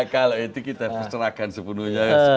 kalau itu kita serahkan sepenuhnya